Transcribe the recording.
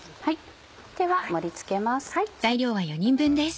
では盛り付けます。